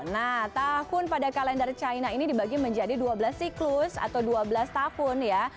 nah tahun pada kalender china ini dibagi menjadi dua belas siklus atau dua belas tahun ya